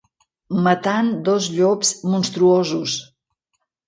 Matant dos llops monstruosos.